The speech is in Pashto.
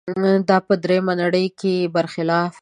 دا په درېیمې نړۍ کې برخلاف و.